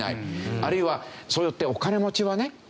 あるいはそうやってお金持ちはね